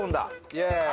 イエーイ！